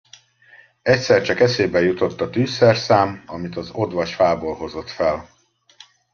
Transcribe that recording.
Egyszer csak eszébe jutott a tűzszerszám, amit az odvas fából hozott fel.